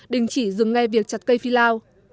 đình chỉ dừng ngay việc chặt cây phi lao